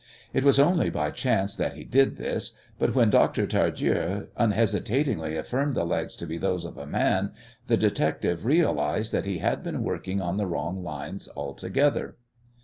It was only by chance that he did this, but when Dr. Tardieu unhesitatingly affirmed the legs to be those of a man the detective realized that he had been working on the wrong lines altogether.